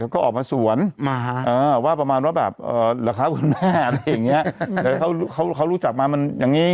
แฟนกับตอนน้างมากละสมัยนู้น